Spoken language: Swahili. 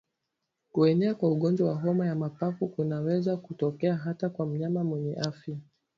Kuenea kwa ugonjwa wa homa ya mapafu kunaweza kutokea hata kwa mnyama mwenye afya